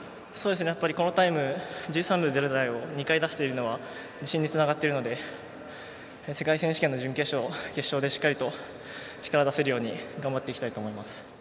このタイム１３秒０台を２回出しているのが自信につながっているので世界選手権の準決勝、決勝でしっかりと力を出せるように頑張っていきたいと思います。